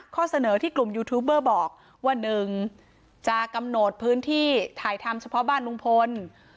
ข้อเสนอที่กลุ่มยูทูบเบอร์บอกว่า๑จะกำหนดพื้นที่ถ่ายทำเฉพาะบ้านลุงพล